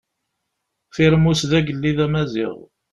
Firmus d agellid amaziɣ.